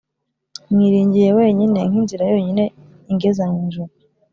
mwiringiye wenyine nk'inzira yonyine ingeza mu ijuru.